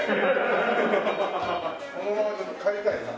このままちょっと帰りたいな。